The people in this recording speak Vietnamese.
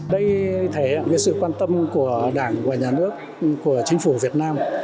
đây thể hiện sự quan tâm của đảng và nhà nước của chính phủ việt nam